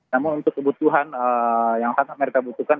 namun untuk kebutuhan yang sangat mereka butuhkan